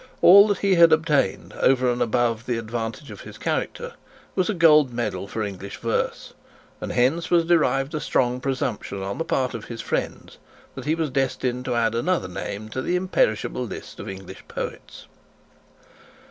All that he had obtained, over and above the advantage of his character, was a gold medal for English verse, and hence was derived a strong presumption on the part of his friends that he was destined to add another name to the imperishable list of English poets.